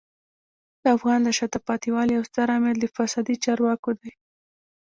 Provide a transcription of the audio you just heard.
د افغانستان د شاته پاتې والي یو ستر عامل د فسادي چارواکو دی.